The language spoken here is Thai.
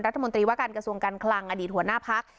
รัฐมนตรีวะกันกระทรวงกันคลังอดีตหัวหน้าภรรย์